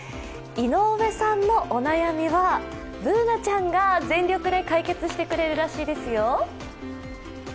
井上さんのお悩みはＢｏｏｎａちゃんが全力で解決してくれるらしいですよ。